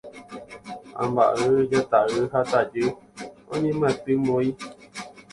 Amba'y, jata'y ha tajy oñemyatymói